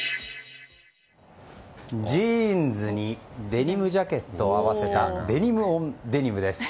ジーンズにデニムジャケットを合わせたデニムオンデニムです。